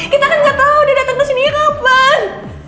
kita kan nggak tahu dia datang ke sini kapan